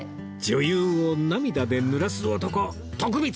女優を涙でぬらす男徳光！